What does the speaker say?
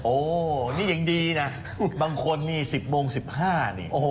โอ้นี่ยังดีนะบางคนนี่๑๐โมง๑๕นี่